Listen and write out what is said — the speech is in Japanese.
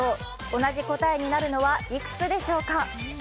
同じ答えになるのはいくつでしょうか？